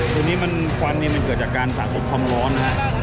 ส่วนนี้ควันเกิดจากการสะสมความร้อนนะครับ